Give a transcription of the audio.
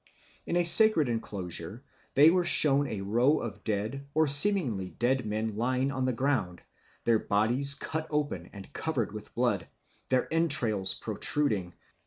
In a sacred enclosure they were shown a row of dead or seemingly dead men lying on the ground, their bodies cut open and covered with blood, their entrails protruding.